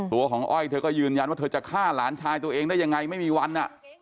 ตัวของอ้อยเธอก็ยืนยันว่าเธอจะฆ่าหลานชายตัวเองได้ยังไงไม่มีวัน